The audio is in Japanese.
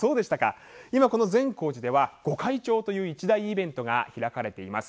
今、この善光寺では御開帳という一大イベントが開かれています。